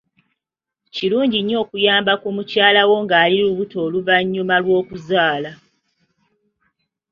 Kirungi nnyo okuyamba ku mukyalawo ng'ali lubuto n'oluvannyuma lw'okuzaala.